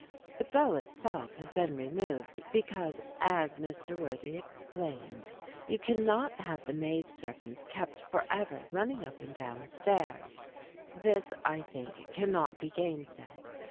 The bell itself had been removed because (as Mr. Worthy explained) you cannot have the maid servants kept for ever running up and down stairs; this, I think, cannot be gainsaid.